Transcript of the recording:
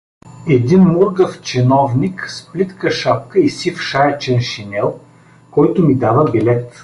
Един мургав чиновник с плитка шапка и сив шаячен шинел, който ми дава билет.